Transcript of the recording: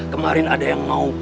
kemarin ada yang mau